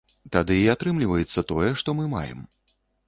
Тады і атрымліваецца тое, што мы маем.